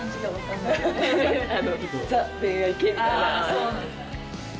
そうなんだ。